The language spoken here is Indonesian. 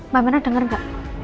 mbak mirna denger gak